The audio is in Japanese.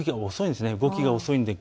動きが遅いんです。